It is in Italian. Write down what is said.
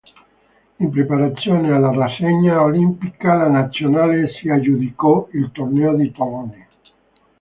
In preparazione alla rassegna olimpica, la nazionale si aggiudicò il Torneo di Tolone.